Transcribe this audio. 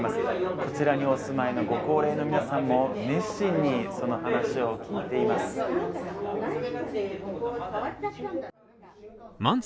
こちらにお住まいのご高齢の皆さんも熱心にその話を聞かれています